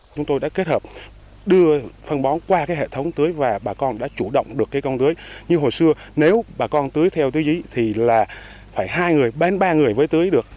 chúng tôi đã kết hợp đưa phân bón qua hệ thống tưới và bà con đã chủ động được công tưới như hồi xưa nếu bà con tưới theo tư dĩ thì phải hai người bên ba người với tưới được